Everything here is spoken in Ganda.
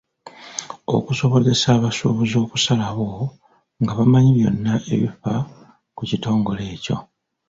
Okusobozesa abasuubuzi okusalawo nga bamanyi byonna ebifa ku kitongole ekyo.